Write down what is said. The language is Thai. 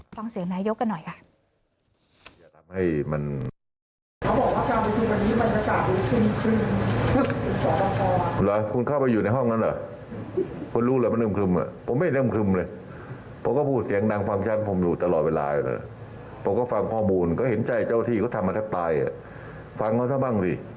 ฟังเสียงนายกกันหน่อยค่ะ